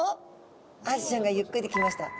アジちゃんがゆっくり来ました。